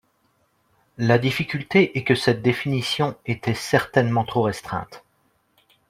La difficulté est que cette définition était certainement trop restreinte.